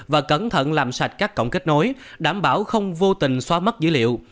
và cẩn thận làm sạch các cổng kết nối đảm bảo không vô tình xóa mất dữ liệu